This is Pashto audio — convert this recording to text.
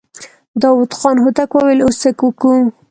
داوود خان هوتک وويل: اوس څه وکو؟